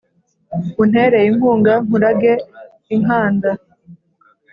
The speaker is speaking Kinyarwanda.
untere inkunga nkurage inkanda